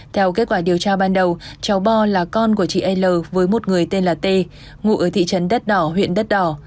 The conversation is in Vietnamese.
theo kết quả điều tra ban đầu cháu bo là con của chị l với một người tên là t ngụ ở thị trấn đất đỏ huyện đất đỏ